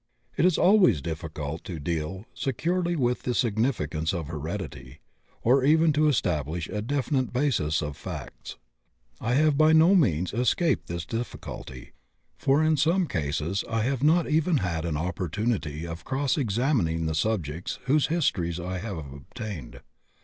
It is always difficult to deal securely with the significance of heredity, or even to establish a definite basis of facts. I have by no means escaped this difficulty, for in some cases I have not even had an opportunity of cross examining the subjects whose histories I have obtained.